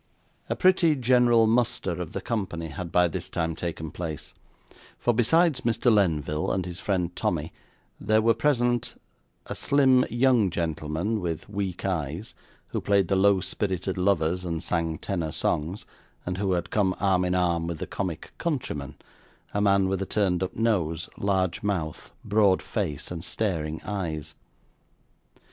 A pretty general muster of the company had by this time taken place; for besides Mr. Lenville and his friend Tommy, there were present, a slim young gentleman with weak eyes, who played the low spirited lovers and sang tenor songs, and who had come arm in arm with the comic countryman a man with a turned up nose, large mouth, broad face, and staring eyes.